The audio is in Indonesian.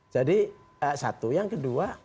jadi satu yang kedua